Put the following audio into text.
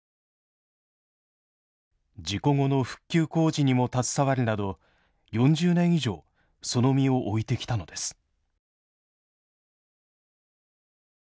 事故後の復旧工事にも携わるなど４０年以上その身を置いてきたのです。